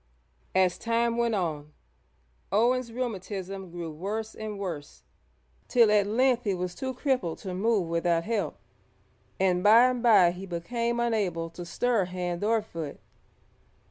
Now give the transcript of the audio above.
As time went on, Owen's rheumatism grew worse and worse, till at length he was too crippled to move without help, and by and bye he became unable to stir hand or foot.